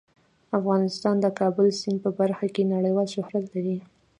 افغانستان د د کابل سیند په برخه کې نړیوال شهرت لري.